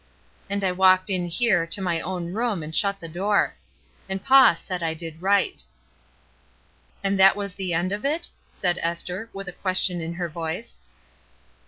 And I walked in here, to my own room, and shut the door. And paw said I did right." ''And that was the end of it?" said Esther, with a question in her voice.